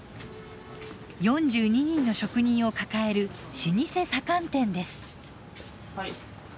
４２人の職人を抱える老舗左官店です。